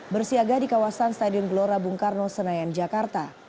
bersiaga di kawasan stadion gelora bung karno senayan jakarta